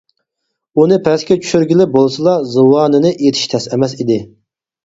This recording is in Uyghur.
ئۇنى پەسكە چۈشۈرگىلى بولسىلا زۇۋانىنى ئېتىش تەس ئەمەس ئىدى.